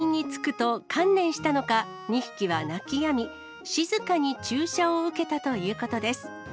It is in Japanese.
ただ、病院に着くと観念したのか、２匹は鳴きやみ、静かに注射を受けたということです。